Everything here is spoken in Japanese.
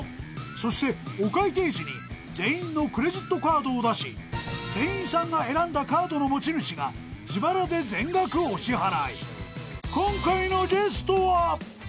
［そしてお会計時に全員のクレジットカードを出し店員さんが選んだカードの持ち主が自腹で全額お支払い］